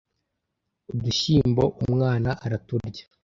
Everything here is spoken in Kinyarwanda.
Udushyimbo umwana araturya